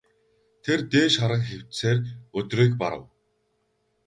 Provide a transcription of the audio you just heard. Тэр дээш харан хэвтсээр өдрийг барав.